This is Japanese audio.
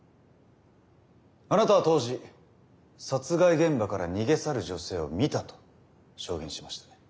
あなたは当時殺害現場から逃げ去る女性を見たと証言しました。